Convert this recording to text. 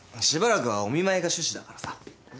しばらくはお見舞いが趣旨だからさ。